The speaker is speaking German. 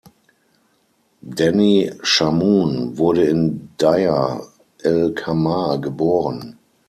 Dany Chamoun wurde in Deir el-Qamar geboren.